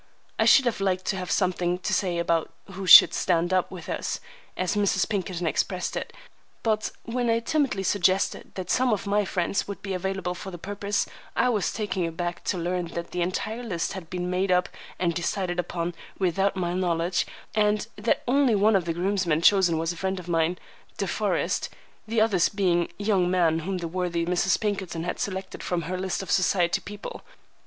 I should have liked to have something to say about who should "stand up" with us, as Mrs. Pinkerton expressed it; but when I timidly suggested that some of my friends would be available for the purpose, I was taken aback to learn that the entire list had been made up and decided upon without my knowledge, and that only one of the groomsmen chosen was a friend of mine,—De Forest,—the others being young men whom the worthy Mrs. Pinkerton had selected from her list of society people.